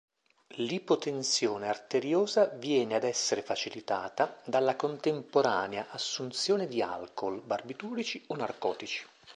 L'ipotensione arteriosa viene ad essere facilitata dalla contemporanea assunzione di alcool, barbiturici o narcotici.